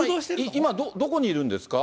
今、どこにいるんですか？